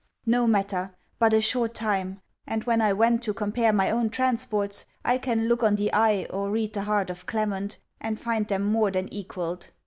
No matter! but a short time; and, when I went to compare my own transports, I can look on the eye, or read the heart of Clement, and find them more than equalled.